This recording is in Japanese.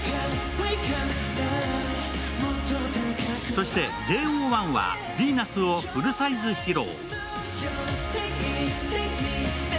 そしてＪＯ１は「Ｖｅｎｕｓ」をフルサイズ披露。